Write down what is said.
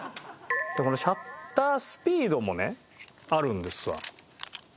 シャッタースピードもねあるんですわ。